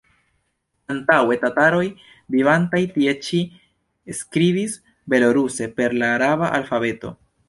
Antaŭe tataroj vivantaj tie ĉi skribis beloruse per la araba alfabeto.